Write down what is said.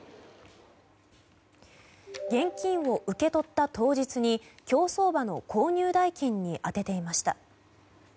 現金を受け取った当日に競走馬の購入代金に充てていました。